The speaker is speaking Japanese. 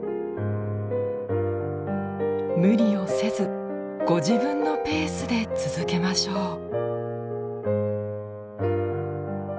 無理をせずご自分のペースで続けましょう。